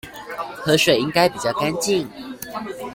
河水應該比較乾淨